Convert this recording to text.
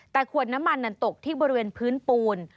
แต่ขวดน้ำมันนั้นตกที่บริเวณพื้นปูน